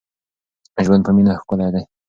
ژوند په مینه ښکلی دی.